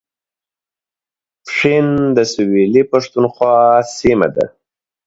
پښین د سویلي پښتونخوا سیمه ده